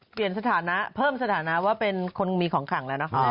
สถานะเพิ่มสถานะว่าเป็นคนมีของขังแล้วนะคะ